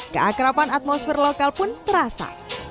keakrapan atmosfer lokal pun terasa